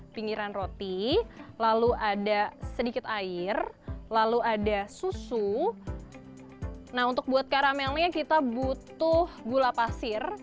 pinggiran roti lalu ada sedikit air lalu ada susu nah untuk buat karamelnya kita butuh gula pasir